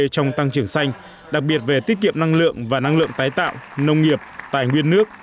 trong tăng trưởng xanh đặc biệt về tiết kiệm năng lượng và năng lượng tái tạo nông nghiệp tài nguyên nước